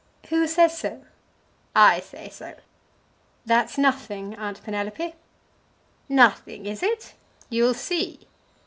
"Who says so?" "I say so." "That's nothing, Aunt Penelope." "Nothing, is it? You'll see.